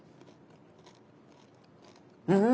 うん！